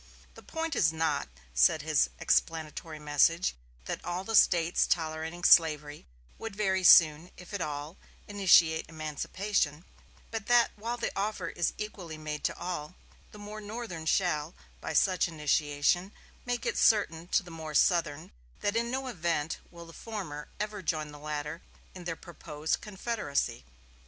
"The point is not," said his explanatory message, "that all the States tolerating slavery would very soon, if at all, initiate emancipation; but that while the offer is equally made to all, the more northern shall, by such initiation, make it certain to the more southern that in no event will the former ever join the latter in their proposed Confederacy.